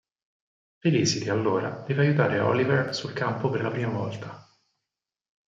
Felicity allora deve aiutare Oliver sul campo per la prima volta.